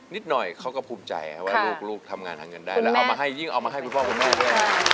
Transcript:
นิดหน่อยเขาก็ภูมิใจว่าลูกทำงานหาเงินได้แล้วเอามาให้ยิ่งเอามาให้คุณพ่อคุณแม่ด้วย